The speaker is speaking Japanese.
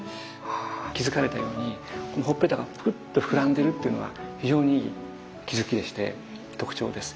気付かれたようにほっぺたがぷくっと膨らんでるっていうのは非常にいい気付きでして特徴です。